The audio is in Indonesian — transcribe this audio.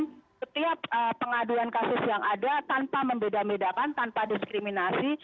dan setiap pengaduan kasus yang ada tanpa membeda bedakan tanpa diskriminasi